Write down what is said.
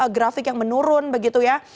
grafik yang menurun begitu ya